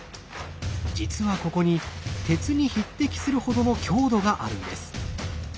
実はここに鉄に匹敵するほどの強度があるんです。